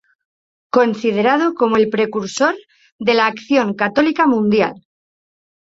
Considerado como el precursor de la Acción Católica Mundial.